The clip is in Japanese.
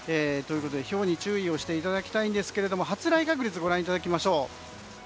ひょうに注意していただきたいんですけれども発雷確率をご覧いただきましょう。